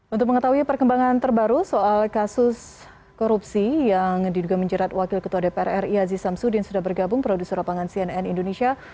untuk mengetahui perkembangan terbaru soal kasus korupsi yang diduga menjerat wakil ketua dpr ri aziz samsudin sudah bergabung produser lapangan cnn indonesia